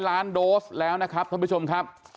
ล้านโดสแล้วนะครับท่านผู้ชมครับ